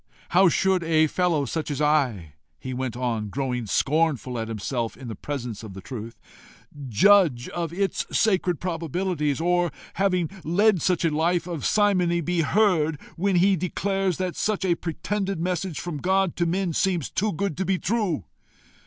How should such a fellow as I" he went on, growing scornful at himself in the presence of the truth "judge of its sacred probabilities? or, having led such a life of simony, be heard when he declares that such a pretended message from God to men seems too good to be true?